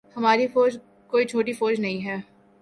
ہماری فوج کوئی چھوٹی فوج نہیں ہے۔